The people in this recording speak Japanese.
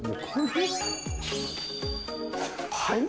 はい？